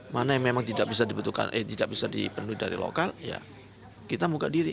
mana yang memang tidak bisa dipenuhi dari lokal ya kita buka diri